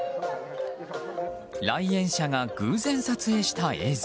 来園者が偶然撮影した映像。